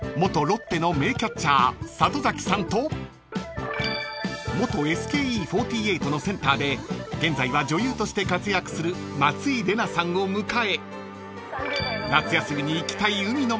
ロッテの名キャッチャー里崎さんと元ＳＫＥ４８のセンターで現在は女優として活躍する松井玲奈さんを迎え夏休みに行きたい海の街